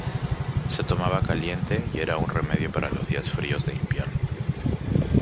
Se tomaba caliente y era un remedio para los días fríos de invierno.